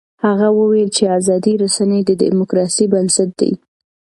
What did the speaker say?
هغه وویل چې ازادې رسنۍ د ډیموکراسۍ بنسټ دی.